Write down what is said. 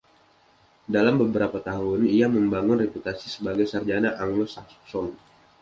Dalam beberapa tahun ia membangun reputasi sebagai sarjana Anglo-Saxon.